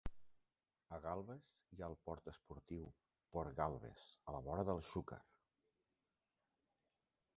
A Galbes hi ha el port esportiu Port Galbes, a la vora del Xúquer.